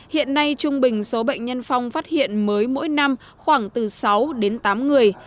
hiện nay trung bình số bệnh nhân phong phát hiện mới mỗi năm khoảng từ sáu đến tám người